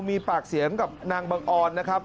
มีปากเสียงกับนางบังออนนะครับ